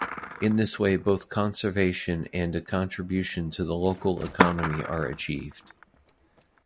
In this way both conservation and a contribution to the local economy are achieved.